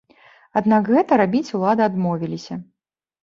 Аднак гэта рабіць улады адмовіліся.